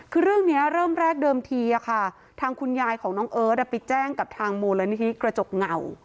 คือเรื่องนี้เริ่มแรกเดิมทีทางคุณยายของน้องเอิร์ทไปแจ้งกับทางมูลนิธิกระจกเงา